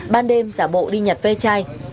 ban đêm giả bộ đi nhặt ve chai